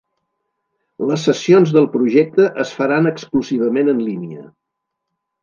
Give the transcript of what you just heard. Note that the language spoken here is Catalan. Les sessions del projecte es faran exclusivament en línia.